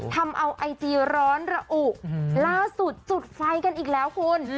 ทำเอาไอจีร้อนระอุล่าสุดจุดไฟกันอีกแล้วคุณ